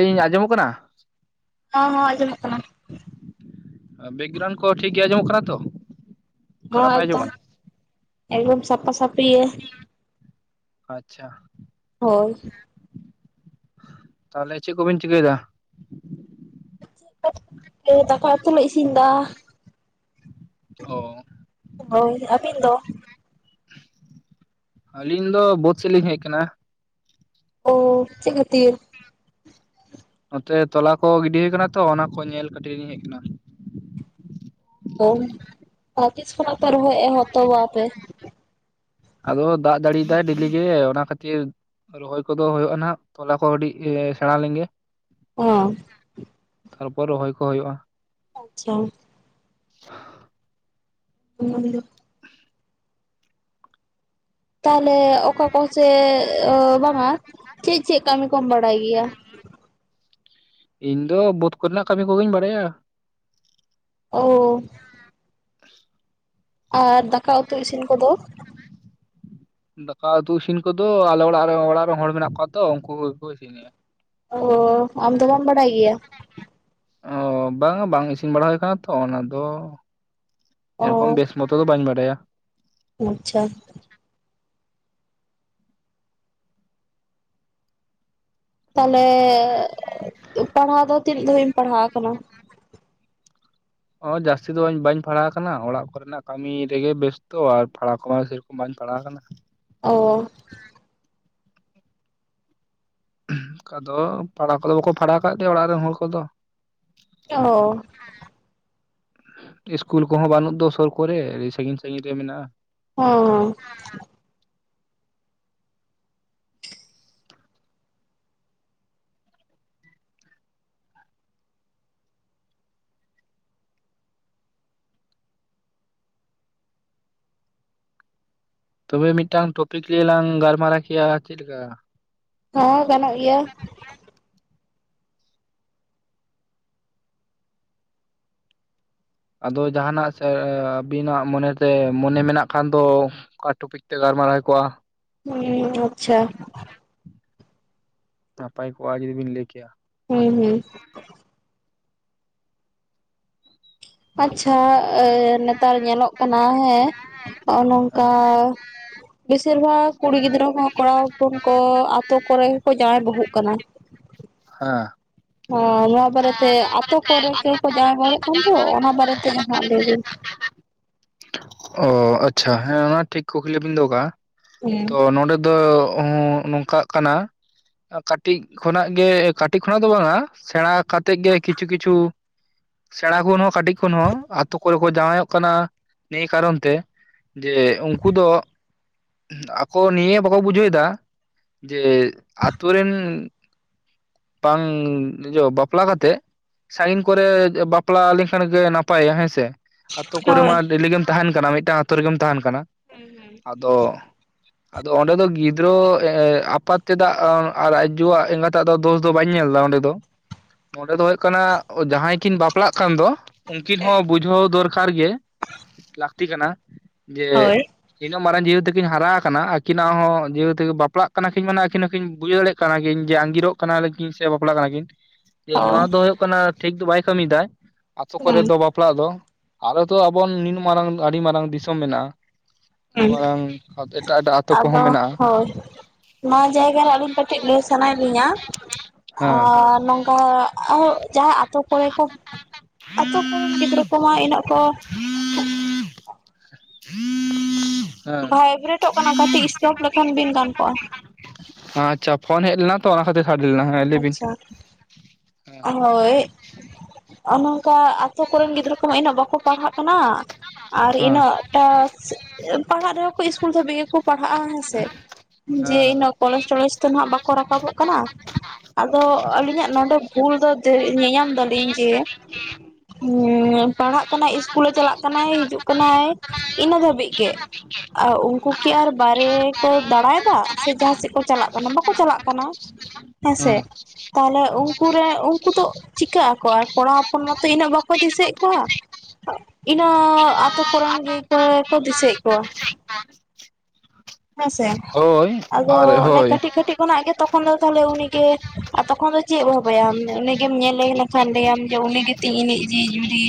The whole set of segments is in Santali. ᱤᱧ ᱟᱸᱡᱚᱢ ᱠᱟᱱᱟ ᱦᱚᱸ ᱦᱚᱸ ᱟᱸᱡᱚᱢᱚᱜ ᱠᱟᱱᱟ ᱵᱮᱜᱨᱟᱹᱣᱩᱱᱰ ᱠᱚ ᱴᱷᱤᱠ ᱜᱮ ᱟᱸᱡᱚᱢᱚᱜ ᱠᱟᱱᱟ ᱛᱚ ᱠᱷᱟᱨᱟᱯ ᱵᱟᱭ ᱱᱚᱣᱟᱛᱟᱢ ᱟᱸᱡᱚᱢᱚᱜ ᱠᱟᱱᱟ ᱮᱠᱫᱚᱢ ᱥᱟᱯᱷᱟ ᱥᱟᱯᱷᱤ ᱟᱪᱪᱷᱟ ᱦᱚᱭ ᱛᱟᱦᱚᱞᱮ ᱪᱮᱫ ᱠᱚᱵᱤᱱ ᱪᱤᱠᱟᱹᱭ ᱮ ᱫᱟ ᱦᱮᱸ ᱫᱟᱠᱟ ᱩᱛᱩ ᱞᱮ ᱤᱥᱤᱱᱮᱫᱟ ᱚᱸ ᱦᱚᱭ ᱟᱹᱵᱤᱱ ᱫᱚ ᱟᱹᱞᱤᱧ ᱫᱚ ᱵᱟᱹᱫᱽ ᱥᱮᱫ ᱞᱤᱧ ᱦᱮᱡ ᱟᱠᱟᱱᱟ ᱚ ᱪᱮᱫ ᱠᱷᱟᱹᱛᱤᱨ ᱱᱚᱛᱮ ᱛᱚᱞᱟ ᱠᱚ ᱜᱤᱰᱤ ᱟᱠᱟᱱᱟ ᱛᱚ ᱚᱱᱟ ᱠᱚ ᱧᱮᱞ ᱠᱟᱹᱴᱤᱡ ᱞᱤᱧ ᱦᱮᱡ ᱟᱠᱟᱱᱟ ᱦᱚᱣ ᱟᱫᱚ ᱛᱤᱥ ᱠᱷᱚᱱᱟᱜ ᱯᱮ ᱨᱦᱚᱭ ᱮᱦᱚᱵ ᱛᱟᱵᱚ ᱟᱯᱮ ᱟᱫᱚ ᱫᱟᱜ ᱡᱟᱲᱤᱭᱫᱟᱭ ᱰᱤᱞᱤ ᱜᱮ ᱚᱱᱟ ᱠᱷᱟᱹᱛᱤᱨ ᱨᱚᱦᱚᱭ ᱠᱚᱫᱚ ᱦᱚᱭᱜᱼᱟ ᱱᱟᱦᱟᱜ ᱛᱚᱞᱟ ᱠᱚ ᱟᱹᱰᱤ ᱥᱮᱬᱟ ᱞᱮᱱᱜᱮ ᱚᱸᱟ ᱛᱟᱨᱯᱚᱨ ᱨᱚᱦᱚᱭ ᱠᱚ ᱦᱩᱭᱩᱜᱼᱟ ᱟᱪᱪᱷᱟ ᱾ [unintelligible] ᱦᱩᱸ ᱛᱟᱦᱚᱞᱮ ᱚᱠᱟ ᱠᱚ ᱥᱮ ᱵᱟᱝᱟ ᱪᱮᱫ ᱪᱮᱫ ᱠᱟᱹᱢᱤ ᱠᱚᱢ ᱵᱟᱲᱟᱭ ᱜᱮᱭᱟ? ᱤᱧ ᱫᱚ ᱵᱟᱹᱫᱽ ᱠᱚᱨᱮᱱᱟᱜ ᱠᱟᱹᱢᱤ ᱠᱚ ᱜᱮᱧ ᱵᱟᱲᱟᱭᱟ ᱾ ᱳ ᱟᱨ ᱫᱟᱠᱟ ᱩᱛᱩ ᱤᱥᱤᱱ ᱠᱚᱫᱚ ᱫᱟᱠᱟ ᱩᱛᱩ ᱤᱥᱤᱱ ᱠᱚᱫᱚ ᱟᱞᱮ ᱚᱲᱟᱜ ᱚᱲᱟᱜ ᱨᱮᱱ ᱦᱚᱲ ᱢᱮᱱᱟᱜ ᱠᱚᱣᱟ ᱛᱚ ᱩᱱᱠᱩ ᱜᱮ ᱠᱚ ᱤᱥᱤᱱᱼᱟ ᱾ ᱚ ᱾ ᱟᱢ ᱫᱚ ᱵᱟᱢ ᱵᱟᱲᱟᱭ ᱜᱮᱭᱟ? ᱚ ᱾ ᱵᱟᱝᱟ ᱵᱟᱝ ᱤᱥᱤᱱ ᱵᱟᱲᱟ ᱦᱩᱭ ᱠᱟᱱᱟ ᱛᱚ ᱚᱱᱟ ᱫᱚ ᱚ ᱮᱨᱚᱠᱚᱢ ᱵᱮᱥ ᱢᱚᱛᱚ ᱫᱚ ᱵᱟᱹᱧ ᱵᱟᱰᱟᱭᱟ ᱾ ᱟᱪᱪᱷᱟ ᱾ ᱛᱟᱦᱚᱞᱮ ᱯᱟᱲᱦᱟᱣ ᱫᱚ ᱛᱤᱱᱟᱹᱜ ᱫᱷᱟᱣᱤᱡ ᱮᱢ ᱯᱟᱲᱦᱟᱣ ᱟᱠᱟᱱᱟ? ᱚ ᱾ ᱡᱟᱹᱥᱛᱤ ᱫᱚ ᱵᱟᱹᱧ ᱯᱟᱲᱦᱟᱣ ᱟᱠᱟᱱᱟ ᱚᱲᱟᱜ ᱠᱚᱨᱮᱱᱟᱜ ᱠᱟᱹᱢᱤ ᱨᱮᱜᱮ ᱵᱮᱥᱛᱚ ᱟᱨ ᱯᱟᱲᱦᱟᱣ ᱠᱚᱢᱟ ᱥᱮᱨᱚᱠᱚᱢ ᱵᱟᱹᱧ ᱯᱟᱲᱟᱣ ᱟᱠᱟᱱᱟ ᱾ ᱚ ᱾ ᱚᱱᱠᱟ ᱫᱚ ᱯᱟᱲᱦᱟ ᱠᱚᱫᱚ ᱵᱟᱠᱚ ᱯᱟᱲᱦᱟᱣ ᱟᱠᱟᱫ ᱜᱮᱭᱟ ᱚᱲᱟᱜ ᱨᱮᱱ ᱦᱚᱲ ᱠᱚᱫᱚ ᱾ ᱚ ᱾ ᱤᱥᱠᱩᱞ ᱠᱚᱦᱚᱸ ᱵᱟᱹᱱᱩᱜ ᱫᱚ ᱥᱩᱨ ᱠᱚᱨᱮ ᱟᱹᱰᱤ ᱥᱟᱺᱜᱤᱧ ᱥᱟᱺᱜᱤᱧ ᱨᱮ ᱢᱮᱱᱟᱜᱼᱟ ᱾ ᱦᱮᱸ ᱦᱮᱸ ᱾ ᱛᱚᱵᱮ ᱢᱤᱫᱴᱟᱝ ᱴᱚᱯᱤᱠᱨᱮ ᱞᱟᱝ ᱜᱟᱞᱢᱟᱨᱟᱣ ᱠᱮᱭᱟ ᱪᱮᱫ ᱞᱮᱠᱟ? ᱦᱮᱸ ᱜᱟᱱᱚᱜ ᱜᱮᱭᱟ ᱾ ᱟᱫᱚ ᱡᱟᱦᱟᱱᱟᱜ ᱥᱮ ᱟᱹᱵᱤᱱᱟᱜ ᱢᱚᱱᱮ ᱛᱮ ᱢᱚᱱᱮ ᱢᱮᱱᱟᱜ ᱠᱷᱟᱱ ᱫᱚ ᱚᱠᱟ ᱴᱚᱯᱤᱠ ᱛᱮ ᱜᱟᱞᱢᱟᱨᱟᱣ ᱦᱩᱭ ᱠᱚᱜᱼᱟ ᱦᱮᱸ ᱟᱪᱪᱷᱟ ᱾ ᱯᱟᱯᱟᱭ ᱠᱚ ᱟᱫ ᱡᱩᱫᱤ ᱵᱤᱱ ᱞᱟᱹᱭ ᱠᱮᱭᱟ ᱾ ᱦᱮᱸ ᱦᱩᱸ ᱾ ᱟᱪᱪᱷᱟ ᱱᱮᱛᱟᱨ ᱧᱮᱞᱚᱜ ᱠᱟᱱᱟ ᱦᱮᱸ ᱱᱚᱜᱼᱚᱭ ᱱᱚᱝᱠᱟ ᱦᱮᱸ ᱵᱮᱥᱤᱨ ᱵᱷᱟᱜᱽ ᱠᱩᱲᱤ ᱜᱤᱫᱽᱨᱟᱹ ᱠᱚ ᱠᱚᱲᱟ ᱦᱚᱯᱚᱱ ᱠᱚ ᱟᱛᱳ ᱠᱚᱨᱮ ᱜᱮ ᱠᱚ ᱡᱟᱶᱟᱭ ᱵᱚᱦᱚᱜ ᱠᱟᱱᱟ ᱾ ᱦᱮᱸ ᱾ ᱱᱚᱣᱟ ᱵᱟᱨᱮᱛᱮ ᱟᱛᱳ ᱠᱚᱨᱮ ᱠᱮᱣ ᱠᱚ ᱡᱟᱸᱢᱚᱲᱮ ᱮᱫ ᱠᱟᱱ ᱫᱚ ᱚᱱᱟ ᱵᱟᱨᱮᱛ ᱮᱜ ᱞᱟᱹᱭ ᱵᱮᱱ? ᱚ ᱟᱪᱪᱷᱟ ᱦᱮᱸ ᱚᱱᱟ ᱴᱷᱤᱠ ᱠᱩᱠᱞᱤ ᱵᱤᱱ ᱫᱚᱦᱚ ᱠᱟᱜᱼᱟ ᱾ ᱦᱩᱸ ᱛᱚ ᱱᱚᱰᱮ ᱫᱚ ᱱᱚᱝᱠᱟᱜ ᱠᱟᱱᱟ ᱠᱟᱹᱴᱤᱡ ᱠᱷᱚᱱᱟᱜ ᱜᱮ ᱠᱟᱹᱴᱤᱡ ᱠᱷᱚᱱᱟᱜ ᱫᱚ ᱵᱟᱝᱟ ᱥᱮᱬᱟ ᱠᱟᱛᱮᱫ ᱜᱮ ᱠᱤᱪᱷᱩ ᱠᱤᱪᱷᱩ ᱥᱮᱬᱟ ᱠᱷᱚᱱ ᱦᱚᱸ ᱠᱟᱹᱴᱤᱡ ᱠᱷᱚᱱ ᱦᱚᱸ ᱟᱛᱳ ᱠᱚᱨᱮ ᱠᱚ ᱡᱟᱶᱟᱭᱚᱜ ᱠᱟᱱᱟ ᱾ ᱱᱤᱭᱟᱹ ᱠᱟᱨᱚᱱ ᱛᱮ ᱡᱮ ᱩᱱᱠᱩ ᱫᱚ ᱟᱠᱚ ᱱᱤᱭᱟᱹ ᱵᱟᱠᱚ ᱵᱩᱡᱷᱟᱹᱣ ᱫᱟ ᱡᱮ ᱟᱛᱳ ᱨᱮᱱ ᱵᱟᱝ ᱵᱟᱯᱞᱟ ᱠᱟᱛᱮ ᱥᱟᱜᱤᱱ ᱠᱚᱨᱮ ᱵᱟᱯᱞᱟ ᱞᱮᱱᱠᱷᱟᱱ ᱜᱮ ᱱᱟᱯᱟᱭᱟ ᱦᱮᱸ ᱥᱮ ᱟᱛᱳ ᱠᱚᱨᱮ ᱦᱳᱭ ᱢᱟ ᱰᱮᱞᱤ ᱜᱮᱢ ᱛᱟᱦᱮᱱ ᱠᱟᱱᱟ ᱢᱤᱫᱴᱟᱝ ᱟᱛᱳ ᱨᱮᱜᱮᱢ ᱛᱟᱦᱮᱱ ᱠᱟᱱᱟ ᱾ ᱦᱩᱸ ᱦᱩᱸ ᱾ ᱟᱫᱚ ᱟᱫᱚ ᱚᱸᱰᱮ ᱫᱚ ᱜᱤᱫᱽᱨᱟᱹ ᱟᱯᱟᱛ ᱪᱮᱫᱟᱜ ᱟᱨ ᱟᱡᱡᱚᱣᱟᱜ ᱮᱸᱜᱟᱛᱟᱜ ᱫᱚ ᱫᱳᱥ ᱫᱚ ᱵᱟᱹᱧ ᱧᱮᱞ ᱮᱫᱟ ᱚᱸᱰᱮ ᱫᱚ ᱚᱸᱰᱮ ᱫᱚ ᱦᱩᱭᱩᱜ ᱠᱟᱱᱟ ᱡᱟᱦᱟᱸᱭ ᱠᱤᱱ ᱵᱟᱯᱞᱟ ᱠᱟᱱ ᱫᱚ ᱩᱱᱠᱤᱱ ᱦᱚᱸ ᱵᱩᱡᱷᱟᱹᱣ ᱫᱚᱨᱠᱟᱨ ᱜᱮ ᱾ ᱞᱟᱹᱠᱛᱤ ᱠᱟᱱᱟ ᱡᱮ ᱤᱱᱟᱹᱜ ᱢᱟᱨᱟᱝ ᱡᱤᱦᱮᱛᱩ ᱠᱤᱱ ᱦᱟᱨᱟ ᱟᱠᱟᱱᱟ ᱟᱹᱠᱤᱱᱟᱜ ᱦᱚᱸ ᱡᱤᱦᱮᱛᱩ ᱵᱟᱯᱞᱟᱜ ᱠᱟᱱᱟ ᱠᱤᱱ ᱢᱟᱱᱮ ᱟᱹᱠᱤᱱ ᱦᱚᱸᱠᱤᱱ ᱵᱩᱡᱷᱟᱹᱣ ᱫᱟᱲᱮᱭᱟᱜ ᱠᱟᱱᱟ ᱾ ᱠᱟᱱᱟ ᱠᱤᱱ ᱡᱮ ᱟᱸᱜᱤᱨᱚᱜ ᱠᱟᱱᱟᱤᱱ ᱥᱮ ᱵᱟᱯᱞᱟᱜ ᱠᱟᱱᱟ ᱠᱤᱱ ᱡᱮ ᱦᱳᱭ ᱱᱚᱣᱟ ᱫᱚ ᱦᱩᱭᱩᱜ ᱠᱟᱱᱟ ᱴᱷᱤᱠ ᱫᱚ ᱵᱟᱭ ᱠᱟᱹᱢᱤᱭᱮᱫᱟ, ᱟᱛᱳ ᱠᱚᱨᱮ ᱦᱩᱸ ᱫᱚ ᱵᱟ ᱵᱟᱯᱞᱟᱜ ᱫᱚ ᱟᱨ ᱛᱚ ᱟᱵᱚ ᱱᱤᱱᱟ ᱢᱟᱨᱟᱝ ᱟᱹᱰᱤ ᱢᱟᱨᱟᱝ ᱫᱤᱥᱚᱢ ᱢᱮᱱᱟᱜᱼᱟ᱾ ᱟᱹᱰᱤ ᱢᱟᱨᱟᱝ ᱮᱴᱟᱜ ᱮᱴᱟᱜ ᱟᱛᱳ ᱠᱚᱦᱚᱸ ᱟᱫᱚ ᱢᱮᱱᱟᱜᱼᱟ᱾ ᱦᱳᱭ ᱱᱚᱣᱟ ᱡᱟᱭᱜᱟ ᱨᱮ ᱟᱹᱞᱤᱧ ᱠᱟᱹᱴᱤᱡ ᱞᱟᱹᱭ ᱥᱟᱱᱟᱭᱮᱫ ᱞᱤᱧᱟ ᱾ ᱦᱮᱸ ᱟᱨ ᱱᱚᱝ ᱦᱳᱭ ᱟᱨ ᱡᱟᱦᱟᱸ ᱟᱛᱳ ᱠᱚᱨᱮ ᱠᱚ ᱟᱛᱳ ᱠᱚᱨᱮᱱ ᱜᱤᱫᱽᱨᱟᱹ ᱠᱚᱢᱟ ᱤᱱᱟᱹᱜ ᱠᱚ ᱦᱮᱸ ᱵᱷᱟᱭ ᱵᱨᱮᱴᱚᱜ ᱠᱟᱱᱟ ᱠᱟᱹᱴᱤᱡ ᱥᱴᱚᱯ ᱞᱮᱠᱷᱟᱱ ᱵᱤᱱ ᱜᱟᱱ ᱠᱚᱜᱼᱟ ᱾ ᱟᱪᱷᱟ ᱯᱷᱳᱱ ᱦᱮᱡ ᱞᱮᱱᱟ ᱛᱚ ᱚᱱᱟ ᱠᱷᱟᱹᱛᱤᱨ ᱥᱟᱰᱮ ᱞᱮᱱᱟ, ᱦᱮᱸ ᱞᱟᱹᱭ ᱵᱤᱱ [unintelligible] ᱦᱳᱭ ᱚᱱᱚᱝᱠᱟ ᱟᱛᱳ ᱠᱚᱨᱮᱱ ᱜᱤᱫᱽᱨᱟᱹ ᱠᱚᱢᱟ ᱩᱱᱟᱹᱜ ᱵᱟᱠᱚ ᱯᱟᱲᱦᱟᱜ ᱠᱟᱱᱟ᱾ ᱟᱨ ᱦᱮᱸ ᱤᱱᱟᱹᱜᱴᱟ ᱯᱟᱲᱦᱟᱜ ᱨᱮᱦᱚᱸ ᱠᱚ ᱤᱥᱠᱩᱞ ᱫᱷᱟᱹᱵᱤᱡ ᱜᱮᱠᱚ ᱯᱟᱲᱦᱟᱜᱼᱟ ᱦᱮᱸ ᱥᱮ? ‌ ᱡᱮ ᱦᱮᱸ ᱤᱱᱟᱹᱜ ᱠᱚᱞᱮᱥᱴᱚᱞᱮᱥ ᱫᱚ ᱱᱟᱜ ᱵᱟᱠᱚ ᱨᱟᱠᱟᱵᱚᱜ ᱠᱟᱱᱟ ᱾ ᱟᱫᱚ ᱟᱹᱞᱤᱧᱟᱜ ᱱᱚᱰᱮ ᱵᱷᱩᱞ ᱫᱚ ᱧᱮᱧᱟᱢ ᱫᱟᱞᱤᱧ ᱡᱮ ᱦᱩᱸ ᱯᱟᱲᱦᱟᱜ ᱠᱟᱱᱟᱭ ᱤᱥᱠᱩᱞᱮ ᱪᱟᱞᱟᱜ ᱠᱟᱱᱟᱭ, ᱦᱤᱡᱩᱜ ᱠᱟᱱᱟᱭ, ᱤᱱᱟᱹ ᱫᱷᱟᱹᱵᱤᱡ ᱜᱮ ᱾ ᱟᱨ ᱩᱱᱠᱩ ᱠᱤ ᱟᱨ ᱵᱟᱨᱮ ᱠᱚ ᱫᱟᱲᱟᱭᱮᱫᱟ, ᱥᱮ ᱡᱟᱦᱟᱸ ᱥᱮᱫ ᱠᱚ ᱪᱟᱞᱟᱜ ᱠᱟᱱᱟ, ᱵᱟᱠᱚ ᱪᱟᱞᱟᱜ ᱠᱟᱱᱟ᱾ ᱦ [unintelligible] ᱦᱮᱸᱥᱮ ᱛᱟᱦᱚᱞᱮ ᱩᱱ ᱩᱱᱠᱩ ᱨᱮ ᱩᱱᱠᱩ ᱫᱚ ᱪᱤᱠᱟᱹᱜ ᱟᱠᱚ ᱟᱨ ᱠᱚᱲᱟ ᱦᱚᱯᱚᱱ ᱢᱟᱛᱚ ᱤᱱᱟᱹᱜ ᱵᱟᱠᱚ ᱫᱤᱥᱟᱹᱮᱫ ᱠᱚᱣᱟ ᱾ ᱤᱱᱟᱹ ᱟᱛᱳ ᱠᱚᱨᱮᱱ ᱜᱮ ᱠᱚ ᱠᱚ ᱫᱤᱥᱟᱹᱭᱮᱫ ᱠᱚᱣᱟ ᱾ ᱦᱮᱸᱥᱮ ᱦᱳᱭ ᱟᱫᱚ ᱟᱨ ᱚᱱᱮ ᱦᱳᱭ ᱠᱟᱹᱴᱤᱡ ᱠᱟᱹᱴᱤᱡ ᱠᱷᱚᱱᱟᱜ ᱜᱮ ᱛᱚ, ᱛᱚᱠᱷᱚᱱ ᱫᱚ ᱛᱟᱦᱚᱞᱮ ᱩᱱᱤ ᱜᱮ, ᱛᱚᱠᱷᱚᱱ ᱫᱚ ᱪᱮᱫ ᱮ ᱵᱷᱟᱵᱟᱭᱟᱢ ᱩᱱᱤ ᱜᱮᱢ ᱧᱮᱞᱮ ᱞᱮᱠᱷᱟᱱ ᱞᱟᱹᱭᱟᱢ ᱩᱱᱤ ᱛᱤᱱᱤᱡ ᱡᱤᱣᱤ ᱡᱩᱨᱤ,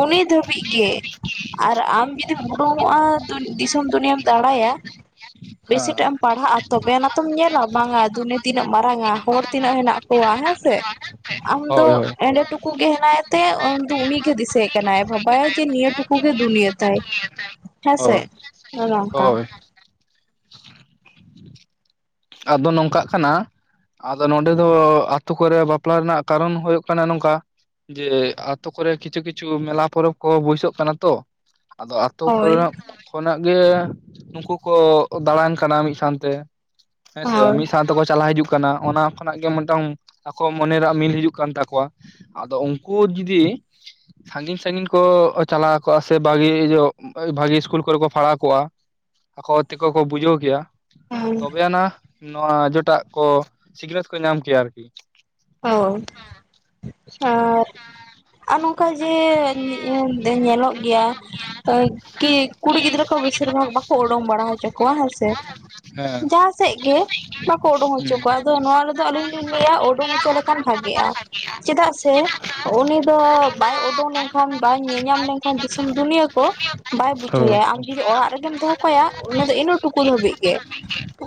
ᱩᱱᱤ ᱫᱷᱟᱹᱵᱤᱡ ᱜᱮ ᱾ ᱟᱨ ᱟᱢ ᱡᱩᱫᱤᱢ ᱩᱰᱩᱝᱚᱜᱼᱟ, ᱫᱤᱥᱚᱢ ᱫᱩᱱᱤᱭᱟᱹᱢ ᱫᱟᱬᱟᱭᱟ, ᱦᱮᱸ ᱵᱮᱥᱤᱴᱟᱜ ᱮᱢ ᱯᱟᱲᱦᱟᱜᱼᱟ ᱛᱚᱵᱮ ᱟᱱᱟᱛᱚᱢ ᱧᱮᱞᱟ ᱵᱟᱝᱟ ᱫᱩᱱᱤᱭᱟᱹ ᱛᱤᱱᱟᱹᱜ ᱢᱟᱨᱟᱝᱟ, ᱦᱚᱲ ᱛᱤᱱᱟᱹᱜ ᱦᱮᱱᱟᱜ ᱠᱚᱣᱟ ᱦᱮᱸ ᱥᱮ ᱾ [unintelligible] ᱟᱢ ᱫᱚ ᱦᱳᱭ ᱮᱸᱰᱮ ᱴᱩᱠᱩ ᱜᱮ ᱦᱮᱱᱟᱭ ᱛᱮ ᱩᱱ ᱩᱱᱤᱜᱮ ᱫᱤᱥᱟᱹᱭ ᱠᱟᱱᱟᱭ ᱵᱟᱵᱟᱭ ᱡᱮ ᱱᱤᱭᱟᱹ ᱴᱩᱠᱩ ᱜᱮ ᱫᱩᱱᱤᱭᱟᱹ ᱛᱟᱭ ᱾ [unintelligible] ᱚᱱᱮ ᱚᱝᱠᱟ ᱦᱳᱭ ᱟᱫᱚ ᱱᱚᱝᱠᱟᱜ ᱠᱟᱱᱟ ᱾ ᱟᱫᱚ ᱱᱚᱰᱮ ᱫᱚ ᱟᱛᱳ ᱠᱚᱨᱮ ᱵᱟᱯᱞᱟ ᱨᱮᱱᱟᱜ ᱠᱟᱨᱚᱱ ᱦᱩᱭᱩᱜ ᱠᱟᱱᱟ ᱱᱚᱝᱠᱟ ᱾ ᱡᱮ ᱟᱹᱛᱳ ᱠᱚᱨᱮ ᱠᱤᱪᱷᱩ ᱠᱤᱪᱷᱩ ᱢᱮᱞᱟ ᱯᱚᱨᱚᱵᱽ ᱠᱚ ᱵᱟᱹᱭᱥᱟᱹᱜ ᱠᱟᱱᱟ ᱛᱚ ᱾ ᱟᱫᱚ ᱟᱹᱛᱳ ᱠᱷᱚ ᱦᱳᱭ [unintelligible] ᱠᱷᱚᱱᱟᱜ ᱜᱮ ᱱᱩᱠᱩ ᱠᱚ ᱫᱟᱬᱟᱱ ᱠᱟᱱᱟ, ᱢᱤᱫ ᱥᱟᱶ ᱛᱮ ᱾ ᱦᱮᱸᱥᱮ ᱦᱳᱭ ᱢᱤᱫ ᱥᱟᱶ ᱛᱮᱠᱚ ᱪᱟᱞᱟᱣ ᱦᱤᱡᱩᱜ ᱠᱟᱱᱟ, ᱚᱱᱟ ᱠᱷᱚᱱᱟᱜ ᱜᱮ ᱢᱤᱫᱴᱟᱝ ᱟᱠᱚᱣᱟᱜ ᱢᱚᱱᱮ ᱨᱮᱭᱟᱜ ᱢᱤᱞ ᱦᱤᱡᱩᱜ ᱠᱟᱱ ᱛᱟᱠᱚᱣᱟ, ᱟᱫᱚ ᱩᱱᱠᱩ ᱡᱩᱫᱤ ᱥᱟᱺᱜᱤᱧ ᱥᱟᱺᱜᱤᱧ ᱠᱚ ᱪᱟᱞᱟᱣ ᱠᱚᱜᱼᱟ ᱥᱮ ᱵᱷᱟᱹᱜᱮ ᱧᱚᱜ ᱵᱷᱟᱜᱤ ᱤᱥᱠᱩᱞ ᱠᱚᱨᱮ ᱠᱚ ᱯᱟᱲᱦᱟᱣ ᱠᱚᱜᱼᱟ ᱾ ᱟᱠᱚ ᱛᱮᱠᱚ ᱠᱚ ᱵᱩᱡᱷᱟᱹᱣ ᱠᱮᱭᱟ ᱦᱳᱭ ᱛᱚᱵᱮ ᱟᱱᱟ, ᱱᱚᱣᱟ ᱡᱚᱴᱟᱜ ᱠᱚ ᱥᱤᱠᱷᱱᱟᱹᱛ ᱠᱚ ᱧᱟᱢ ᱠᱮᱭᱟ ᱟᱨᱠᱤ ᱾ ᱦᱳᱭ, ᱟᱨ ᱟᱨ ᱱᱚᱝᱠᱟ ᱡᱮ ᱧᱮᱞᱚᱜ ᱜᱮᱭᱟ ᱾ ᱠᱤ ᱠᱩᱲᱤ ᱜᱤᱫᱽᱨᱟᱹ ᱠᱚ ᱵᱮᱥᱤᱨ ᱵᱷᱟᱜᱽ ᱵᱟᱠᱚ ᱩᱰᱩᱝ ᱵᱟᱲᱟ ᱦᱚᱪᱚ ᱠᱚᱣᱟ ᱦᱮᱸ ᱥᱮ ᱾ ᱦᱮᱸ ᱡᱟᱦᱟᱸ ᱥᱮᱫ ᱜᱮ ᱵᱟᱠᱚ ᱩᱰᱩᱝ ᱦᱚᱪᱚ ᱦᱩᱸ ᱠᱚᱣᱟ ᱟᱫᱚ ᱱᱚᱣᱟ ᱨᱮᱫᱚ ᱟᱹᱞᱤᱧ ᱞᱤᱧ ᱞᱟᱹᱭᱟ ᱩᱰᱩᱝ ᱚᱪᱚ ᱦᱚᱪᱚ ᱞᱮᱠᱷᱟᱱ ᱵᱷᱟᱜᱤᱜᱼᱟ, ᱪᱮᱫᱟᱜ ᱥᱮ ᱛᱮ ᱩᱱᱤ ᱫᱚ ᱵᱟᱭ ᱩᱰᱩᱝ ᱞᱮᱱ ᱠᱷᱟᱱ ᱵᱟᱭ ᱧᱮᱧᱟᱢ ᱞᱮᱱ ᱠᱷᱟᱱ ᱫᱤᱥᱚᱢ ᱫᱩᱱᱤᱭᱟᱹ ᱠᱚ ᱾ ᱵᱟᱭ ᱵᱩᱡᱷᱟᱹᱣᱭᱟ ᱟᱢ ᱡᱩᱫᱤ ᱚᱲᱟᱜ ᱨᱮᱜᱮᱢ ᱫᱚᱦᱚ ᱠᱟᱭᱟ ᱩᱱᱤ ᱫᱚ ᱤᱱᱟᱹ ᱴᱩᱠᱩ ᱫᱷᱟᱹᱵᱤᱡ ᱜᱮ [unintelligible]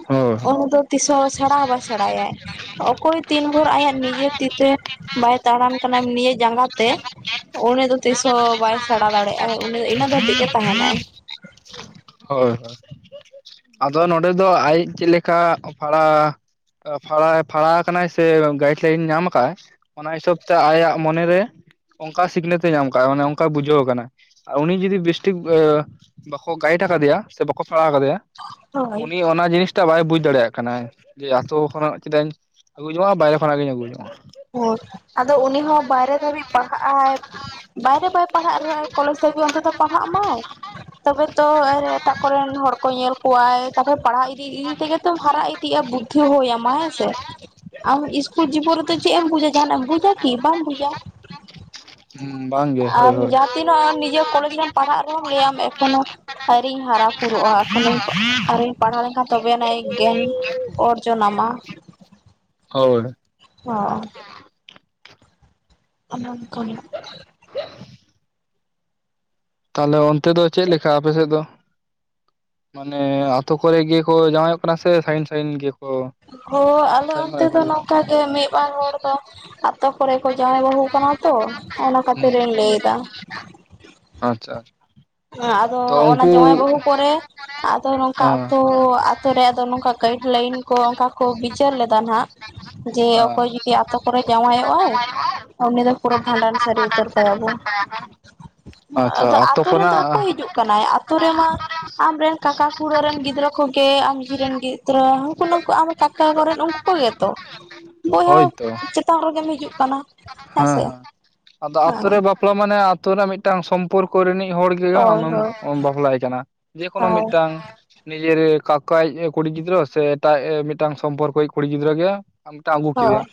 ᱩᱱᱤ ᱫᱚ ᱛᱤᱥᱦᱚᱸ ᱥᱮᱬᱟ ᱦᱚᱸ ᱵᱟᱭ ᱥᱮᱬᱟᱭᱟᱭ ᱾ ᱚᱠᱚᱭ ᱛᱤᱱ ᱵᱷᱳᱨ ᱟᱭᱟᱜ ᱱᱤᱡᱮ ᱛᱤ ᱛᱮ ᱵᱟᱭ ᱫᱟᱲᱟᱱ ᱠᱟᱱᱟ ᱱᱤᱡᱮ ᱡᱟᱸᱜᱟ ᱛᱮ ᱾ ᱩᱱᱤ ᱫᱚ ᱛᱤᱥᱦᱚᱸ ᱵᱟᱭ ᱥᱮᱬᱟ ᱫᱟᱲᱮᱭᱟᱜ ᱟᱭ ᱩᱱᱤ ᱫᱚ ᱤᱱᱟᱹᱜ ᱫᱷᱟᱹᱵᱤᱡ ᱜᱮ ᱛᱟᱦᱮᱱᱟᱭ [unintelligible] ᱦᱳᱭ ᱟᱫᱚ ᱱᱚᱸᱰᱮ ᱫᱚ ᱟᱡ ᱪᱮᱫ ᱞᱮᱠᱟ ᱚᱯᱷᱟᱲᱟ ᱯᱷᱟᱲᱟᱭ ᱯᱷᱟᱲᱟᱭ ᱠᱟᱱᱟ ᱥᱮ ᱜᱟᱭᱤᱰ ᱞᱟᱭᱤᱱ ᱧᱟᱢ ᱟᱠᱟᱫ ᱚᱱᱟ ᱦᱤᱥᱟᱹᱵᱽ ᱛᱮ ᱟᱭᱟᱜ ᱢᱚᱱᱮᱨᱮ ᱚᱱᱠᱟ ᱥᱤᱠᱷᱱᱟᱹᱛ ᱮ ᱧᱟᱢ ᱟᱠᱟᱫᱟ ᱢᱟᱱᱮ ᱚᱱᱠᱟᱭ ᱵᱩᱡᱷᱟᱹᱣ ᱟᱠᱟᱱᱟ ᱩᱱᱤ ᱡᱩᱫᱤ ᱵᱮᱥᱴᱷᱤᱠ ᱵᱟᱠᱚ ᱜᱟᱭᱤᱰ ᱟᱠᱟᱫᱮᱭᱟ ᱥᱮ ᱵᱟᱠᱚ ᱯᱟᱲᱟᱣ ᱟᱠᱟᱫᱮᱭᱟ ᱦᱳᱭ ᱩᱱᱤ ᱚᱱᱟ ᱡᱤᱱᱤᱥ ᱴᱟ ᱵᱟᱭ ᱵᱩᱡᱽ ᱫᱟᱲᱮᱭᱟᱜ ᱠᱟᱱᱟ ᱡᱮ ᱟᱛᱳ ᱠᱷᱚᱱᱟᱜ ᱪᱮᱫᱟᱜ ᱤᱧ ᱟᱹᱜᱩ ᱡᱚᱝᱚᱜᱼᱟ ᱵᱟᱭᱨᱮ ᱠᱷᱚᱱᱟᱜ ᱜᱤᱧ ᱟᱹᱜᱩ ᱡᱚᱝᱚᱜᱼᱟ ᱦᱮᱸ ᱟᱫᱚ ᱩᱱᱤ ᱦᱚᱸ ᱵᱟᱭᱨᱮ ᱫᱷᱟᱹᱵᱤᱡ ᱯᱟᱲᱦᱟᱜᱼᱟᱭ ᱵᱟᱭᱨᱮ ᱵᱟᱭ ᱯᱟᱲᱦᱟᱜ ᱨᱮᱦᱚᱸ ᱳᱭ ᱠᱚᱞᱮᱡᱽ ᱫᱷᱟᱹᱵᱤᱡ ᱚᱱᱛᱚᱛᱚ ᱯᱟᱲᱦᱟᱜ ᱢᱟᱭ ᱛᱚᱵᱮ ᱛᱚ ᱟᱨ ᱮᱴᱟᱜ ᱠᱚᱨᱮᱱ ᱦᱚᱲ ᱠᱚ ᱧᱮᱞ ᱠᱚᱣᱟᱭ ᱛᱟᱯᱚᱨᱮ ᱯᱟᱲᱦᱟᱣ ᱤᱫᱤ ᱤᱫᱤ ᱛᱮᱜᱮᱛᱚ ᱦᱟᱨᱟ ᱠᱟᱹᱤᱡ ᱵᱩᱫᱽᱫᱷᱤ ᱦᱩᱭ ᱟᱢᱟ ᱦᱮᱸ ᱥᱮ ᱟᱢ ᱤᱥᱠᱩᱞ ᱡᱤᱵᱚᱱ ᱨᱮ ᱛᱚ ᱪᱮᱫ ᱮᱢ ᱵᱩᱡᱟ ᱡᱟᱦᱱᱟᱜ ᱮᱢ ᱵᱩᱡᱟ ᱠᱤ ᱵᱟᱢ ᱵᱩᱡᱟ ᱦᱩᱸ ᱵᱟ [unintelligible] ᱟᱢ ᱡᱟᱦᱟᱸ ᱛᱤᱱᱟᱹᱜ ᱱᱤᱡᱮ ᱠᱚᱞᱮᱡᱽ ᱨᱮᱢ ᱯᱟᱲᱦᱟᱜ ᱨᱮᱦᱚᱸᱢ ᱞᱟᱹᱭᱟᱢ ᱮᱠᱷᱚᱱᱳ ᱟᱨᱤᱧ ᱦᱟᱨᱟ ᱵᱩᱨᱩᱜᱼᱟ ᱮᱠᱷᱚᱱᱤ ᱟᱨᱚᱧ ᱯᱟᱲᱦᱟᱣ ᱞᱮᱱᱠᱷᱟᱱ ᱛᱚᱵᱮᱭᱱᱟᱜ ᱜᱮᱭᱟᱱ ᱚᱨᱡᱚᱱᱟᱢᱟ ᱦᱳᱭ ᱦᱚᱸ ᱚᱱᱚᱱ ᱠᱟᱱᱤ [unintelligible] [unintelligible] ᱛᱟᱦᱚᱞᱮ ᱚᱱᱛᱮ ᱫᱚ ᱪᱮᱫ ᱞᱮᱠᱟ ᱟᱯᱮᱥᱮᱫ ᱫᱚ ᱢᱟᱱᱮ ᱟᱛᱳ ᱠᱚᱨᱮ ᱜᱮᱠᱚ ᱡᱟᱶᱟᱭᱚᱜ ᱠᱟᱱᱟ ᱥᱮ ᱥᱟᱜᱤᱧ ᱥᱟᱜᱤᱧ ᱜᱮᱠᱚ ᱦᱚᱭ ᱟᱞᱮ ᱥᱟᱺᱜᱤᱧ ᱠᱷᱚᱱᱟᱜ ᱚᱱᱛᱮ ᱜᱮᱠᱚ ᱫᱚ ᱦᱩᱭᱩᱜ ᱱᱚᱝᱠᱟ ᱜᱮ ᱢᱤᱫ ᱵᱟᱨ ᱦᱚᱲ ᱫᱚ ᱟᱛᱳ ᱠᱚᱨᱮ ᱠᱚ ᱡᱟᱶᱟᱭ ᱵᱟᱹᱦᱩ ᱠᱟᱱᱟ ᱛᱚ ᱚᱱᱟ ᱠᱷᱟᱹᱛᱤᱨ ᱤᱧ ᱞᱟᱹᱭᱮᱫᱟ ᱟᱨ [inaudible] ᱟᱪᱪᱷᱟ ᱟᱪᱪᱷᱟ ᱟᱫᱚ ᱛᱚ ᱚᱱᱟ ᱡᱟᱶᱟᱭ ᱩᱱᱠᱩ ᱵᱟᱹᱦᱩ ᱦᱮᱸ ᱯᱚᱨᱮ ᱟᱫᱚ ᱱᱚᱝᱠᱟ ᱦᱮᱸ ᱟᱹᱛᱩ ᱟᱛᱳ ᱨᱮ ᱟᱫᱚ ᱱᱚᱝᱠᱟ ᱜᱟᱭᱤᱰ ᱞᱟᱹᱭᱤᱱ ᱠᱚ ᱚᱱᱠᱟ ᱠᱚ ᱵᱤᱪᱟᱹᱨ ᱞᱮᱫᱟ ᱦᱟᱸᱜ ᱡᱮ ᱚᱠᱚᱭ ᱡᱚᱫᱤ ᱟᱛᱳ ᱠᱚᱨᱮ ᱡᱟᱶᱟᱭᱚᱜ ᱟᱭ ᱩᱱᱤ ᱫᱚ ᱯᱩᱨᱟᱹ ᱵᱷᱟᱸᱰᱟᱱ ᱥᱟᱹᱨᱤ ᱩᱛᱟᱹᱨ ᱠᱟᱭᱟᱵᱚᱱ ᱟᱪᱪᱷᱟ ᱟᱛᱳ ᱟᱛᱩ ᱨᱮᱫᱚ ᱚᱠᱚᱭ ᱠᱷᱚᱱᱟᱜ ᱦᱤᱡᱩᱜ ᱠᱟᱱᱟᱭ ᱟᱹᱛᱩ ᱨᱮᱢᱟ ᱟᱢᱨᱮᱱ ᱠᱟᱠᱟ ᱠᱷᱩᱲᱟᱹ ᱨᱮᱱ ᱜᱤᱫᱽᱨᱟᱹ ᱠᱚᱜᱮ ᱡᱷᱤᱨᱮᱱ ᱜᱤᱫᱽᱨᱟᱹ ᱦᱟᱱᱠᱩ ᱱᱟᱝᱠᱩ ᱟᱢ ᱫᱟᱠᱟ ᱠᱚᱨᱮᱱ ᱩᱱᱠᱩ ᱠᱚ ᱜᱮ ᱛᱚ ᱵᱚᱭᱦᱟ ᱦᱳᱭᱛᱚ ᱪᱮᱛᱟᱱ ᱨᱮᱜᱮᱢ ᱦᱤᱡᱩᱜ ᱠᱟᱱᱟ ᱦᱮᱸ ᱦᱮᱸᱥᱮ ᱦᱮᱸ ᱟᱫᱚ ᱟᱛᱳ ᱦᱮᱸ ᱨᱮ ᱵᱟᱯᱞᱟ ᱢᱟᱱᱮ ᱟᱹᱛᱩ ᱨᱮᱱᱟᱜ ᱢᱤᱫᱴᱟᱹᱝ ᱥᱚᱢ ᱼᱼ ᱠᱚ ᱨᱤᱱᱤᱡ ᱦᱚᱲ ᱜᱮ ᱦᱳᱭ ᱟᱢᱮᱢ ᱦᱳᱭ ᱵᱟᱯᱞᱟᱭ ᱠᱟᱱᱟ ᱡᱮᱠᱳᱱᱳ ᱦᱳᱭ ᱢᱤᱫᱴᱟᱹᱝ ᱱᱤᱡᱮᱨ ᱠᱟᱠᱟᱭᱤᱡ ᱠᱩᱲᱤ ᱜᱤᱫᱽᱨᱟᱹ ᱥᱮ ᱮᱴᱟᱜ ᱢᱤᱫᱴᱟ, ᱝ ᱥᱚᱢᱯᱚᱨᱠᱚᱭᱤᱡ ᱠᱩᱲᱤ ᱜᱤᱫᱽᱨᱟᱹ ᱜᱮ ᱟᱢ ᱢᱤᱫᱴᱟᱹᱝ ᱟᱹᱜᱩ ᱦᱳᱭ ᱠᱮᱫᱮᱭᱟᱢ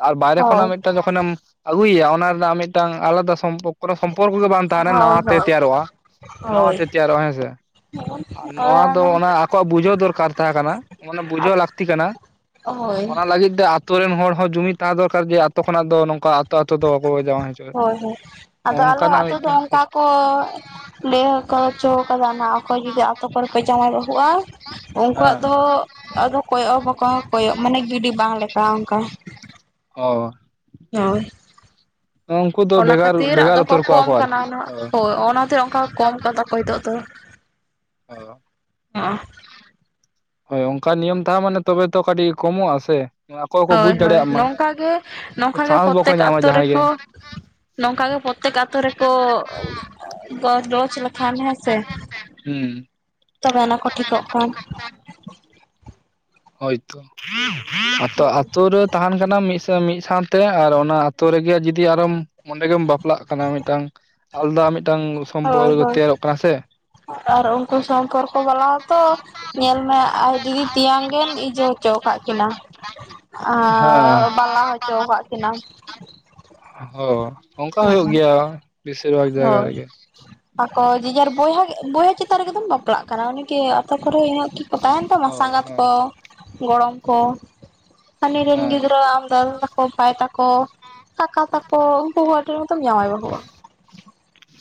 ᱟᱨ ᱵᱟᱭᱨᱮ ᱦᱳᱭ ᱠᱷᱚᱱᱟᱜ ᱢᱤᱫᱴᱟᱹᱝ ᱡᱚᱠᱷᱚᱱᱮᱢ ᱟᱹᱜᱩᱭᱮᱭᱟ ᱚᱱᱟ ᱨᱮᱱᱟᱜ ᱢᱤᱫᱴᱟᱝ ᱟᱞᱟᱫᱟ ᱥᱚᱢᱯᱚᱠ ᱠᱚᱱᱚ ᱥᱚᱢᱚᱨᱠᱚ ᱜᱮ ᱵᱟᱝ ᱛᱟᱦᱞᱮ ᱦᱳᱭ ᱱᱟᱣᱟᱛᱮ ᱦᱳᱭ ᱛᱮᱭᱟᱨᱚᱜᱼᱟ ᱦᱳᱭ ᱱᱟᱣᱟᱛᱮ ᱛᱮᱭᱟᱨᱚᱜᱼᱟ ᱦᱮᱸ ᱥᱮ ᱦᱳᱭ ᱟᱨ ᱱᱚᱣᱟ ᱫᱚ ᱚᱱᱟ ᱟᱠᱚᱣᱟᱜ ᱵᱩᱡᱷᱟᱹᱣ ᱫᱚᱨᱠᱟᱨ ᱛᱟᱦᱮᱸ ᱠᱟᱱᱟ ᱚᱱᱮ ᱵᱩᱡᱷᱟᱹᱣ ᱞᱟᱹᱠᱛᱤ ᱠᱟᱱᱟ ᱦᱳᱭ ᱚᱱᱟ ᱞᱟᱹᱜᱤᱫ ᱛᱮ ᱟᱛᱳ ᱨᱮᱱ ᱦᱚᱲ ᱦᱚᱸ ᱡᱩᱢᱤᱫ ᱛᱟᱦᱮᱸ ᱫᱚᱨᱠᱟᱨ ᱜᱮ ᱟᱛᱳ ᱠᱷᱚᱱᱟᱜ ᱫᱚ ᱱᱚᱝᱠᱟ ᱛᱚ ᱟᱛᱳ ᱫᱚ ᱵᱟᱠᱚ ᱡᱟᱶᱟᱭ ᱦᱚᱪᱚᱭᱮᱫ ᱦᱳᱭ ᱟᱫᱚ ᱟᱞᱮ ᱱᱚᱝᱠᱟᱱᱟᱜ ᱟᱛᱳ ᱫᱚ ᱢᱤᱫᱴᱟᱹᱝ ᱚᱱᱠᱟ ᱠᱚ ᱞᱟᱹᱭ ᱦᱚᱪᱚ ᱠᱟᱫᱟ ᱱᱟ ᱚᱠᱚᱭ ᱡᱩᱫᱤ ᱟᱛᱳ ᱠᱚᱨᱮ ᱯᱮ ᱡᱟᱶᱟᱭ ᱵᱟᱹᱦᱩᱜᱼᱟ ᱩᱱᱠᱩᱣᱟᱜ ᱦᱮᱸ ᱫᱚ ᱟᱫᱚ ᱠᱚᱭᱚᱜ ᱦᱚᱸ ᱵᱟᱠᱚ ᱠᱚᱭᱚᱜ ᱢᱟᱱᱮ ᱜᱤᱰᱤ ᱵᱟᱝ ᱞᱮᱠᱟ ᱚᱱᱠᱟ ᱚ ᱦᱳᱭ ᱩᱱᱠᱩ ᱫᱚ ᱚᱱᱟ ᱵᱷᱮᱜᱟᱨ ᱠᱷᱟᱹᱛᱤᱨ ᱟᱫᱚ ᱵᱷᱮᱜᱟᱨ ᱠᱚ ᱩᱛᱟᱹᱨ ᱠᱚᱣᱟ ᱠᱚᱢ ᱠᱟᱱᱟ ᱟᱨᱠᱤ ᱦᱚᱭ ᱚᱱᱟ ᱛᱮ ᱚᱱᱠᱟ ᱠᱚᱢ [unintelligible] ᱛᱚ ᱚᱠᱚᱭ ᱦᱤᱛᱳᱜ ᱫᱚ ᱚ᱾ ᱦᱳᱭ ᱚᱱᱠᱟ ᱱᱤᱭᱚᱢ ᱛᱟᱦᱮᱢᱟ ᱛᱚᱵᱮ ᱛᱚ ᱠᱟᱹᱴᱤᱡ ᱠᱚᱢᱚᱜᱼᱟ ᱥᱮ᱾ ᱟᱠᱚ ᱦᱚᱸᱠᱚ ᱦᱳᱭ ᱵᱩᱡᱽ ᱦᱳᱭ ᱫᱟᱲᱮᱭᱟᱜ ᱢᱟ᱾ ᱱᱚᱝᱠᱟ ᱜᱮ ᱱᱚᱝᱠᱟ ᱜᱮ ᱥᱟᱦᱚᱥ ᱵᱟᱠᱚ ᱯᱨᱚᱛᱮᱠ ᱧᱟᱢᱟ ᱟᱛᱳ ᱡᱟᱦᱟᱸᱭ ᱜᱮ᱾ ᱨᱮᱠᱚ ᱱᱚᱝᱠᱟ ᱜᱮ ᱯᱨᱚᱛᱮᱠ ᱟᱛᱳ ᱨᱮᱠᱚ ᱮᱜ ᱜᱚ ᱜᱚᱞᱚᱪ‌ ᱞᱮᱠᱼᱼ ᱠᱷᱟᱱ ᱦᱮᱸᱥᱮ, ᱦᱩᱸ ᱛᱚᱵᱮ ᱚᱱᱟ ᱠᱚ ᱴᱷᱤᱠᱚᱜ ᱠᱟᱱ᱾ ᱦᱟᱭᱛᱚ ᱟᱛᱚ ᱟᱛᱩ ᱨᱮᱫᱼᱼ ᱛᱟᱦᱮᱱ ᱠᱟᱱᱟᱢ ᱢᱤᱫ ᱥᱟᱶ ᱥᱟᱶᱛᱮ ᱟᱨ ᱚᱱᱟ ᱟᱛᱳ ᱨᱮᱜᱮ ᱡᱩᱫᱤ ᱟᱨᱚᱢ ᱚᱸᱰᱮ ᱜᱮᱢ ᱵᱟᱯᱼᱼ ᱯᱞᱟᱜ ᱠᱟᱱᱟ᱾ ᱢᱤᱫᱴᱟᱝ ᱟᱞᱟᱫᱟ ᱢᱤᱫᱴᱟᱝ ᱦᱳᱭ ᱥᱚᱢᱯᱚᱨᱠ ᱦᱳᱭ ᱛᱮᱭᱟᱨᱚᱜ ᱠᱟᱱᱟ ᱥᱮ᱾ ᱟᱨ ᱩᱱᱠᱩ ᱥᱚᱢᱯᱚᱨᱠᱚ ᱵᱟᱞᱟᱣ ᱛᱚ ᱧᱮᱞ ᱢᱮ ᱟᱡ ᱫᱤᱫᱤ ᱛᱮᱭᱟᱝ ᱜᱮᱼᱼ ᱜᱮᱢ ᱤᱭᱟᱹ ᱦᱚᱪᱚᱣ ᱠᱟᱜ ᱠᱤᱱᱟ᱾ ᱟᱸᱻ ᱦᱮᱸ ᱵᱟᱞᱟ ᱦᱚᱪᱚᱣ ᱠᱟᱜ ᱠᱤᱱᱟᱢ᱾ ᱦᱚ ᱚᱱᱠᱟ ᱦᱩᱭᱩᱜ ᱜᱮᱭᱟ ᱵᱮᱥᱤᱨ ᱵᱷᱟᱜᱽ ᱡᱟᱭᱜᱟ ᱦᱳᱭ ᱨᱮᱜᱮ᱾ ᱟᱠᱚ ᱡᱮᱡᱟᱨ ᱵᱚᱭᱦᱟ ᱵᱚᱭᱦᱟ ᱪᱮᱛᱟᱱ ᱨᱮᱜᱮᱛᱚᱢ ᱵᱟᱯᱞᱟᱜ ᱠᱟᱱᱟ᱾ ᱚᱱᱤᱠᱤ ᱟᱛᱳ ᱠᱚᱨᱮ ᱤᱱᱟ ᱛᱟᱠᱚ ᱛᱟᱦᱮᱱ ᱛᱟᱢᱟ ᱦᱚ ᱥᱟᱸᱜᱟᱛ ᱦᱮᱸ ᱠᱚ ᱜᱚᱲᱚᱢ ᱠᱚ᱾ ᱦᱟᱱᱤ ᱨᱤᱱ ᱦᱮᱸ ᱜᱤᱫᱽᱨᱟᱹ ᱟᱢ ᱫᱟᱫᱟ ᱛᱟᱠᱚ ᱵᱷᱟᱭ ᱛᱟᱠᱚ᱾ ᱠᱟᱠᱟ ᱛᱟᱠᱚ ᱩᱱᱠᱩ ᱦᱚᱸ ᱟᱰᱤ ᱨᱚᱠᱚᱢ ᱛᱮᱢ‌ ᱡᱟᱶᱟᱭ ᱵᱟᱹᱦᱩᱜ-ᱟ᱾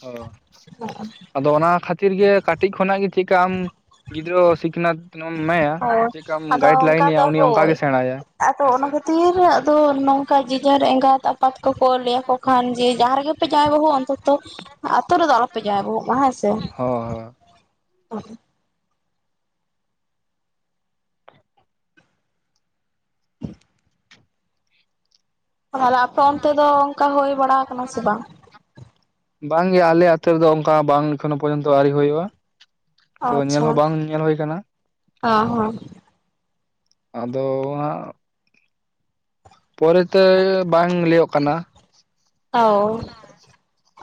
ᱦᱚ᱾ [inaudible] ᱟᱫᱚ ᱚᱱᱟ ᱠᱷᱟᱛᱤᱨ ᱜᱮ ᱠᱟᱴᱤᱡ ᱠᱷᱚᱱᱟᱜ ᱜᱮ ᱪᱮᱜ ᱠᱟ ᱟᱢ ᱜᱤᱫᱽᱨᱟᱹ ᱥᱤᱠᱷᱱᱟᱹᱛᱼᱼ ᱦᱚᱭ ᱟᱫᱚ ᱚᱱᱠᱟ ᱫᱚ ᱩᱱᱤ ᱚᱱᱠᱟ ᱦᱳᱭ ᱜᱮ ᱥᱮᱬᱟᱭᱟ ᱟᱫᱚ ᱚᱱᱟ ᱦᱮᱸᱥᱮ ᱠᱷᱟᱹᱛᱤᱨ ᱟᱫᱚ ᱱᱚᱝᱼᱼ ᱚᱱᱠᱟ ᱡᱤᱡᱟᱨ ᱮᱸᱜᱟᱛ ᱟᱯᱟᱛ ᱠᱚᱠᱚ ᱞᱟᱹᱭᱟ ᱠᱚ ᱠᱷᱟᱱ ᱡᱮ ᱡᱟᱦᱟᱸ ᱨᱮᱜᱮ ᱯᱮ ᱡᱟᱶᱟᱭ ᱵᱟᱹᱦᱩ ᱚᱱᱛᱚᱛᱚᱼᱼ ᱟᱛᱩ ᱨᱮᱫᱚ ᱟᱞᱚ ᱯᱮ ᱡᱟᱶᱟᱭ ᱵᱟᱹᱦᱩᱜ ᱢᱟ ᱦᱮᱸ ᱥᱮ, ᱦᱚ ᱦᱚ ᱦᱚᱸ᱾ ᱛᱟᱦᱚᱞᱮ ᱟᱯᱮ ᱚᱱᱛᱮ ᱫᱚ ᱚᱱᱠᱟ ᱦᱚᱭ ᱵᱟᱲᱟ ᱟᱠᱟᱱᱟ ᱥᱮ ᱵᱟᱝ? ᱵᱟᱝ ᱜᱮ ᱟᱞᱮ ᱟᱛᱩ ᱨᱮᱫᱚ ᱚᱱᱠᱟ ᱵᱟᱝ ᱮᱠᱷᱚᱱᱚ ᱯᱚᱨᱡᱚᱱᱛᱚ ᱟᱣᱨᱤ ᱦᱩᱭᱩᱜ-ᱟ᱾ ᱛᱚ ᱧᱮᱞ ᱟᱪᱪᱷᱟ ᱦᱚᱸ ᱵᱟᱝ ᱧᱮᱞ ᱦᱚᱭ ᱠᱟᱱᱟ, ᱚ ᱦᱮᱸ ᱦᱚᱸ ᱥᱮ᱾ ᱟᱫᱚ ᱦᱟᱸᱜᱼᱼ ᱯᱚᱨᱮ ᱛᱮ ᱵᱟᱝ ᱞᱟᱹᱭᱚᱜ ᱠᱟᱱᱟ᱾ ᱚᱣ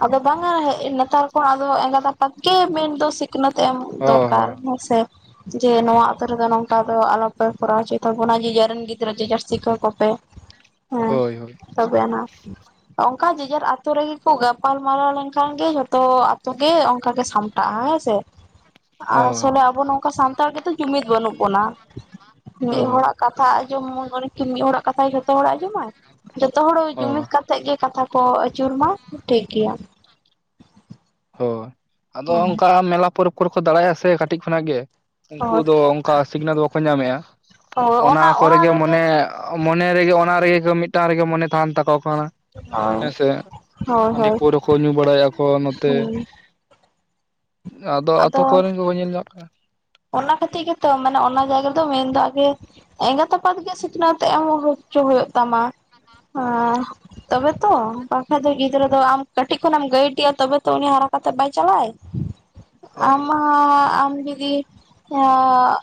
ᱟᱫᱚ ᱵᱟᱝᱟ ᱦᱮᱸᱜ ᱱᱮᱛᱟᱨ ᱠᱷᱚᱱ ᱟᱫᱚ ᱮᱸᱜᱟᱛ ᱟᱯᱟᱛ ᱠᱮ ᱢᱮᱱ ᱫᱚ ᱥᱤᱼᱼ ᱥᱤᱠᱷᱱᱟᱹᱛ ᱮᱢ ᱚ ᱫᱚᱨᱠᱟᱨ ᱦᱮᱸ ᱥᱮ᱾ ᱡᱮ ᱱᱚᱣᱟ ᱟᱛᱩ ᱨᱮᱫᱚ ᱱᱚᱝᱠᱟ ᱫᱚ ᱟᱞᱚ ᱯᱮ ᱠᱚᱨᱟᱣ ᱚᱪᱩᱭ ᱛᱟᱵᱚᱱᱟ᱾ ᱡᱮᱡᱟᱨᱮᱱ ᱜᱤᱫᱽᱨᱟᱹ ᱡᱮᱡᱟᱨ ‌ᱥᱤᱠᱟᱹᱣ ᱠᱚᱯᱮ᱾ [inaudible] ᱦᱮᱸ ᱦᱳᱭ ᱛᱚᱵᱮ ᱟᱱᱟᱜᱼᱼ ᱚᱱᱠᱟ ᱡᱮᱡᱟᱹᱨ ᱟᱛᱩ ᱨᱮᱜᱮ ᱠᱚ ᱜᱟᱯᱟᱞ ᱢᱟᱨᱟᱣ ᱞᱮᱱᱠᱷᱟᱱ ᱜᱮ ᱡᱷᱚᱛᱚ ᱟᱛᱩ ᱜᱮ ᱚᱱᱠᱟ ᱜᱮ ᱥᱟᱢᱴᱟᱜ-ᱟ ᱦᱮᱸ ᱥᱮ᱾ [inaudible] ᱟᱥᱚᱞᱮ ᱟᱵᱚ ᱱᱚᱝᱠᱟ ᱥᱟᱱᱛᱟᱲ ᱜᱮᱛᱚ ᱡᱩᱢᱤᱫ ᱵᱟᱹᱱᱩᱜ ᱵᱚᱱᱟ ᱚ ᱢᱤᱫ ᱦᱚᱲᱟᱜᱼᱼ ᱠᱟᱛᱷᱟ ᱟᱸᱡᱚᱢᱟᱭ ᱢᱚ ᱩᱱᱮ ᱠᱤ ᱢᱤᱫ ᱦᱚᱲᱟᱜ ᱠᱟᱛᱷᱟᱭ ᱡᱷᱚᱛᱚ ᱦᱚᱲᱟᱜ ᱟᱸᱡᱚᱢᱟᱭ ᱡᱷᱚᱛᱚ ᱦᱚᱲ ᱡᱩᱢᱤᱫ ᱚ ᱠᱟᱛᱼ ᱛᱮᱜ ᱜᱮ ᱠᱟᱛᱷᱟ ᱠᱚ ᱟᱹᱪᱩᱨ ᱢᱟ ᱴᱷᱤᱠ ᱜᱮᱭᱟ᱾ ᱦᱳᱭ ᱟᱫᱚ ᱚᱱᱠᱟ ᱢᱮᱞᱟ ᱯᱚᱨᱚᱵᱽ ᱠᱚᱨᱮ ᱠᱚ ᱫᱟᱲᱬᱟᱭᱟ ᱥᱮ ᱠᱟᱴᱤᱡ ᱠᱷᱚᱱᱟᱜ ᱜᱮ᱾ ᱩᱱᱠᱩ ᱦᱳᱭ ᱫᱚ ᱚᱱᱠᱟ ᱥᱤᱠᱷᱱᱟᱹᱛ ᱵᱟᱠᱚ ᱧᱟᱢᱮᱜ-ᱟ᱾ ᱚᱱᱟ ᱠᱚᱨᱮ ᱜᱮ ᱢᱚᱱᱮᱼᱼ ᱢᱚᱱᱮ ᱨᱮᱜᱮ ᱚᱱᱟ ᱨᱮᱜᱮ ᱢᱤᱫᱴᱟᱝ ᱨᱮᱜᱮ ᱢᱚᱱᱮ ᱛᱟᱦᱮᱸᱱ ᱛᱟᱠᱚ ᱠᱟᱱᱟ᱾ ᱦᱳᱭ ᱦᱮᱸ ᱥᱮ ᱦᱳᱭ ᱦᱟᱸᱰᱤ ᱦᱳᱭ ᱯᱟᱹᱣᱨᱟᱹ ᱠᱚ ᱧᱩ ᱵᱟᱲᱟᱭᱟ ᱠᱚ ᱱᱚᱛᱮᱼᱼ ᱦᱩᱸ ᱟᱫᱚ ᱟᱛᱳ ᱠᱚᱨᱮ ᱜᱮᱵᱚᱱ ᱧᱮᱞ ᱧᱟᱢᱚᱜ ᱠᱟᱱ᱾ ᱚᱱᱟ ᱠᱷᱟᱹᱛᱤ ᱜᱮᱛᱚ ᱢᱟᱱᱮ ᱚᱱᱟ ᱡᱟᱭᱜᱟ ᱨᱮᱫᱚ ᱢᱮᱱ ᱫᱚ ᱟᱜᱮ ᱼᱼ ᱮᱸᱜᱟᱛ ᱟᱯᱟᱛ ᱜᱮ ᱥᱤᱠᱷᱱᱟᱹᱛ ᱮᱢ ᱦᱚᱪᱩ ᱦᱚᱭᱩᱜ ᱛᱟᱢᱟ, ᱦᱮᱸᱻ᱾ ᱛᱚᱵᱮ ᱛᱚ ᱵᱟᱝ ᱠᱷᱟᱡ ᱫᱚ ᱜᱤᱫᱽᱨᱟᱹ ᱫᱚ ᱟᱢ ᱠᱟᱹᱴᱤᱡ ᱠᱷᱚᱱᱟᱢ ᱜᱟᱹᱭᱤᱰᱤᱭᱟ ᱛᱚᱵᱮ ᱛᱚ ᱩᱱᱤ ᱦᱟᱨᱟ ᱠᱟᱛᱮᱜ ᱵᱟᱭ ᱪᱟᱞᱟᱜ ᱟᱭ᱾ ᱦᱳᱭ ᱟᱢ ᱦᱳᱭ ᱦᱚᱸ ᱟᱢ ᱡᱩᱫᱤ ᱦᱚᱸᱜᱻᱼᱼ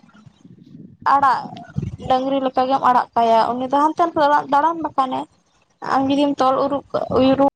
ᱟᱲᱟᱜ ᱰᱟᱹᱝᱜᱽᱨᱤ ᱞᱮᱠᱟ ᱜᱮᱢ ᱟᱲᱟᱜ ᱠᱟᱭᱟ᱾ ᱩᱱᱤ ᱫᱚ ᱦᱟᱱᱛᱮ ᱱᱟᱛᱮᱱ ᱫᱟᱬᱟᱱ ᱵᱟᱠᱷᱟᱱᱮᱼᱼ ᱟᱢ ᱡᱩᱫᱤᱢ ᱛᱚᱞ ᱩᱨᱩᱜ ᱠᱟ ᱩᱭᱨᱩᱜᱼᱼ